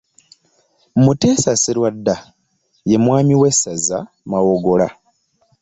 Muteesa Sserwadda, ye mwami w'essaza Mawogola.